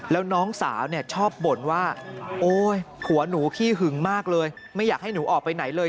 แล้วน้องสาวเนี่ยชอบบ่นว่าโอ๊ยผัวหนูขี้หึงมากเลยไม่อยากให้หนูออกไปไหนเลย